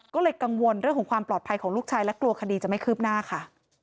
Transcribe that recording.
ก็เลยกังวลเรื่องของความปลอดภัยของลูกชายและกลัวคดีจะไม่คืบหน้าค่ะ